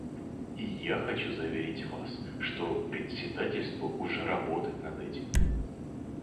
И я хочу заверить вас, что председательство уже работает над этим.